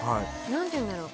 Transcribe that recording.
何ていうんだろう？